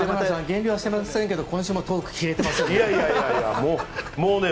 減量はしてませんけど今週もトークが切れてますね。